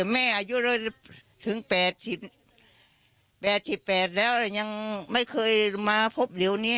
อายุถึง๘๘แล้วยังไม่เคยมาพบเดี๋ยวนี้